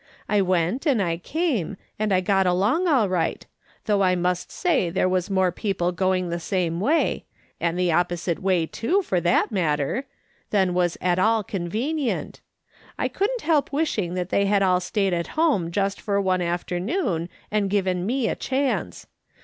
I went and I came, and I got along all right ; though I must say there was more people going the same way — and the opposite way, too, for that matter — than was at all convenient, I couldn't *'ACNTIE A L IV AYS SEES THINGS." 183 help wishing that they had all stayed at liome just for one afternoon, and given me a chance.